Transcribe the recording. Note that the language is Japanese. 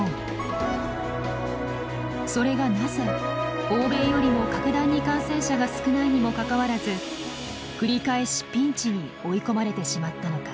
それがなぜ欧米よりも格段に感染者が少ないにもかかわらず繰り返しピンチに追い込まれてしまったのか。